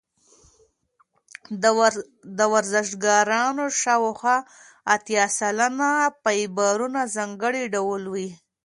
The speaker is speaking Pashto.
د ورزشکارانو شاوخوا اتیا سلنه فایبرونه ځانګړي ډول وي.